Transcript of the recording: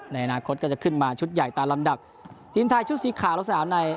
ในอนาคตก็จะขึ้นมาชุดใหญ่ตามลำดับทีมไทยชุดสีขาวและสนามใน